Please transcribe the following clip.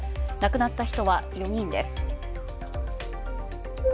亡くなった人は４人です。